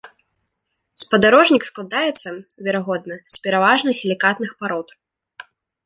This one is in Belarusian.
Спадарожнік складаецца, верагодна, з пераважна сілікатных парод.